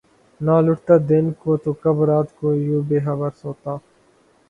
نہ لٹتا دن کو‘ تو کب رات کو یوں بے خبر سوتا!